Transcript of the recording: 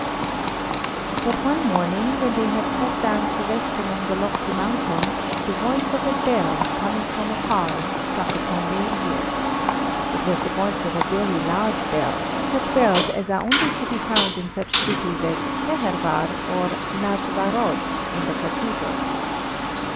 But one morning, when they had sat down to rest among the lofty mountains, the voice of a bell, coming from afar, struck upon their ears. It was the voice of a very large bell, such bells as are only to be found in such cities as Fehérvár or Nagy Várad, in the cathedrals.